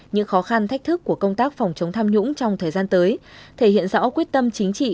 những khó khăn thách thức của công tác phòng chống tham nhũng trong thời gian tới thể hiện rõ quyết tâm chính trị